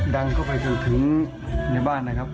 ดังก็ไปเกิดถึงในบ้านนะครับ